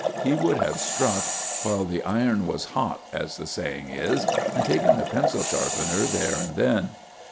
Me would have struck while the iron was hot, as the saying is, and taken the pencil sharpener there and then."